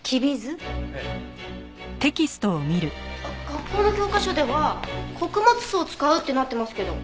学校の教科書では「穀物酢を使う」ってなってますけど。